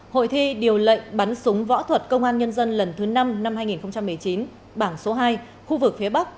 hội thi điều lệnh bắn súng võ thuật công an nhân dân lần thứ năm năm hai nghìn một mươi chín bảng số hai khu vực phía bắc